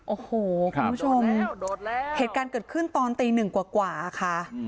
โอ้โหคุณผู้ชมเหตุการณ์เกิดขึ้นตอนตีหนึ่งกว่าค่ะ